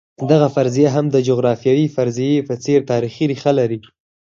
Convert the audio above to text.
دغه فرضیه هم د جغرافیوي فرضیې په څېر تاریخي ریښه لري.